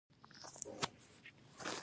ګګر او زرګر د کولتور یوه برخه دي